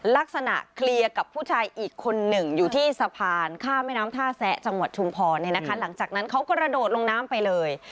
ลักษณะเคลียร์กับผู้ชายอีกคนหนึ่งอยู่ที่สะพานข้ามแม่น้ำท่าแซะจังหวัดชุมพรเนี่ยนะคะหลังจากนั้นเขากระโดดลงน้ำไปเลย